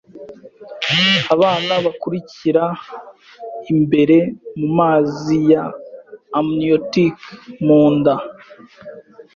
Abana bakurira imbere mumazi ya amniotic munda.